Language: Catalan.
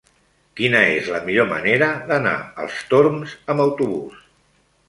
Quina és la millor manera d'anar als Torms amb autobús?